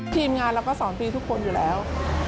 ทีมงานเราก็สอนพี่ทุกคนอยู่แล้ว